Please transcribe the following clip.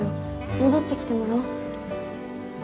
戻ってきてもらおう。